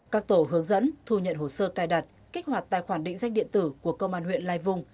các tổ hướng dẫn thu nhận hồ sơ cài đặt kích hoạt tài khoản định danh điện tử của công an huyện lai vùng